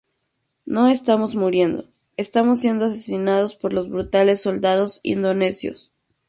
No estamos "muriendo", estamos siendo asesinados por los brutales soldados indonesios.